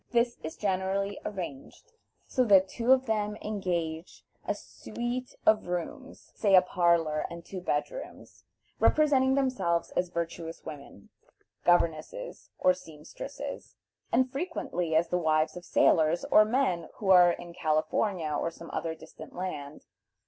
This is generally arranged so that two of them engage a suite of rooms, say a parlor and two bed rooms, representing themselves as virtuous women, governesses or seamstresses, and frequently as the wives of sailors or of men who are in California or some other distant land.